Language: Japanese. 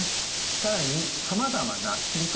更にさまざまな筋トレはですね